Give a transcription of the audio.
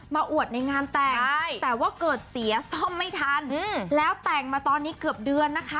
อวดในงานแต่งแต่ว่าเกิดเสียซ่อมไม่ทันแล้วแต่งมาตอนนี้เกือบเดือนนะคะ